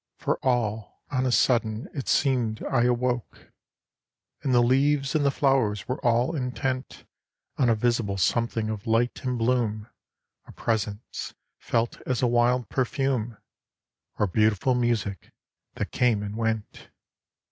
For all on a sudden it seemed I awoke: And the leaves and the flowers were all intent On a visible something of light and bloom A presence, felt as a wild perfume, Or beautiful music, that came and went.